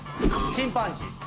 チンパンジー。